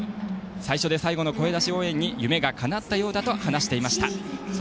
最初で最後の声出し応援に夢がかなったようだと話していました。